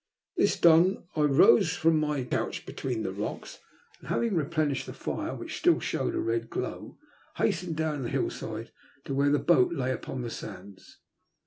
This done, I rose from my 171 174 THS LUST OF HATB. eouch between the rocks, and having replenished the fire, which still showed a red glow, hastened down the hill side to where the boat lay upon the sands.